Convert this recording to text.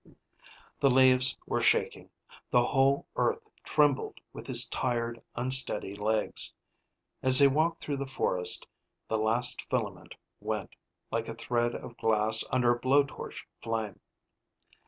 The leaves were shaking, the whole earth trembled with his tired, unsteady legs. As they walked through the forest, the last filament went, like a thread of glass under a blow torch flame.